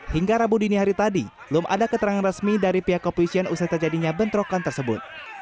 hingga rabu dini hari tadi belum ada keterangan resmi dari pihak kepolisian usai terjadinya bentrokan tersebut